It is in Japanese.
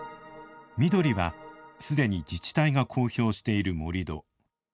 緑はすでに自治体が公表している盛土。